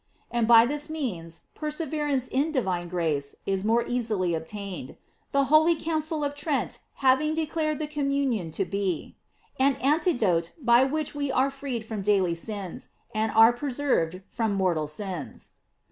And by this means perseverance in divine grace is more easily ob tained; the holy Council of Trent having de clared the communion to be: "An antidote by which we are freed from daily sins, and are pre served from mortal sins."